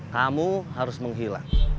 kamu harus menghilang